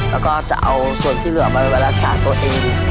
แล้วก็จะเอาส่วนที่เหลือมารักษาตัวเอง